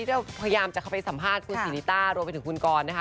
เราพยายามจะเข้าไปสัมภาษณ์คุณสิริต้ารวมไปถึงคุณกรนะคะ